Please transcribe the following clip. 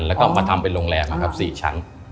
แล้วก็มาทำเป็นโรงแรมนะครับ๔ชั้น